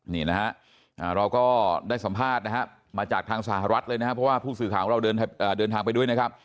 นี่นะฮะเราก็ได้สัมภาษณ์นะครับมาจากทางสหรัฐเลยนะครับเพราะว่าผู้สื่อข่าวของเราเดินทางไปด้วยนะครับ